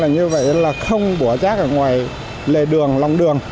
như vậy là không bỏ rác ở ngoài lề đường lòng đường